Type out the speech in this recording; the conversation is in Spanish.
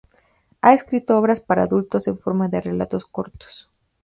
Ha escrito obras para adultos en forma de relatos cortos.